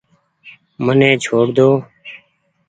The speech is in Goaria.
مني ڇوڙ ۮو۔